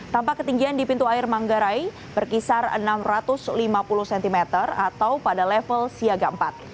tampak ketinggian di pintu air manggarai berkisar enam ratus lima puluh cm atau pada level siaga empat